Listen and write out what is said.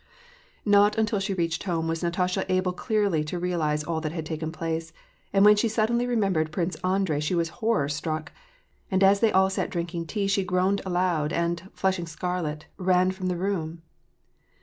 Not until she reached home was Natasha able clearly to realize all that had taken place, and when she suddenly remem bered Prince Andrei she was horror struck ; and as they all sat drinking tea she groaned aloud, and, flushing scarlet, ran from the room.